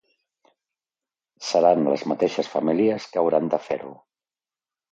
Seran les mateixes famílies que hauran de fer-ho.